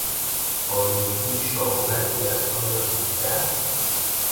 آلودگی شاخ و برگ درختان را ریخته است.